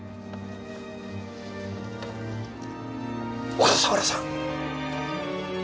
小笠原さん！